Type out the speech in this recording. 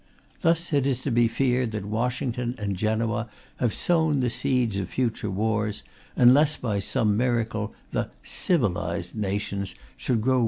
Thus it is to be feared that Washington and Genoa have sown the seeds of future wars unless, by some miracle, the "civilized" nations should grow weary of suicide.